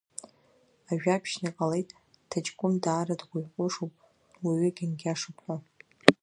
Ажәабжьны иҟалеит, ҭаҷкәым даара дуаҩҟәышуп, уаҩы гьангьашуп ҳәа.